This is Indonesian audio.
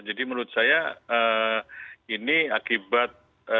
jadi menurut saya ini akibat